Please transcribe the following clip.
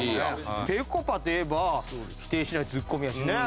ぺこぱといえば否定しないツッコミやしね。